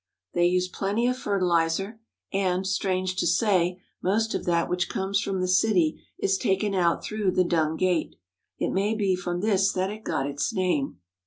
They use plenty of fertilizer and, strange to say, most of that which comes from the city is taken out through the Dung Gate. It may be from this that it got its name.